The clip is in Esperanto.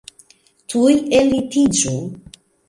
Tuj ellitiĝu!